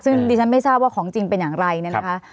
ซึ่งดิฉันไม่ทราบว่าของจริงเป็นอย่างไรเนี่ยนะคะ